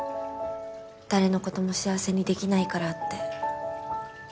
誰のことも幸せにできないからって。